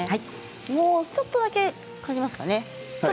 もうちょっとだけかかりますかね